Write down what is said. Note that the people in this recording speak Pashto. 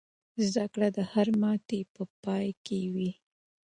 زده کړه د هرې ماتې په پای کې وي.